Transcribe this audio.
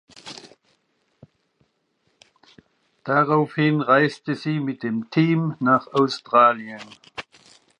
Daraufhin reiste sie mit dem Team nach Australien.